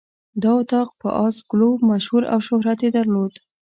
دا اطاق په آس ګلو مشهور او شهرت یې درلود.